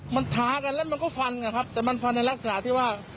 มันท้ากันแล้วมันก็ฟันนะครับแต่มันฟันในลักษณะที่ว่า